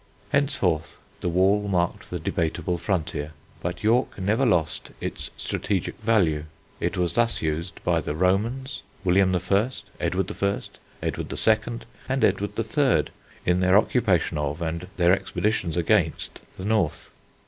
Henceforth the wall marked the debatable frontier, but York never lost its strategic value. It was thus used by the Romans, William I., Edward I., Edward II., and Edward III. in their occupation of and their expeditions against the North.